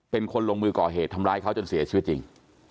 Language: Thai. เป็นคนลงมือก่อเหตุทำร้ายเขาจนเสียชีวิตจริง